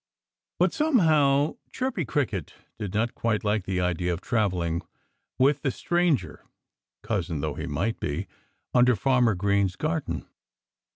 But somehow Chirpy Cricket did not quite like the idea of travelling with the stranger, cousin though he might be, under Farmer Green's garden.